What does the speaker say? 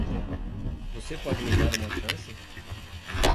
Você pode me dar uma chance?